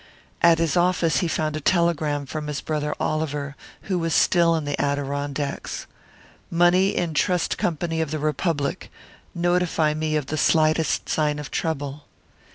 At his office he found a telegram from his brother Oliver, who was still in the Adirondacks: "Money in Trust Company of the Republic. Notify me of the slightest sign of trouble."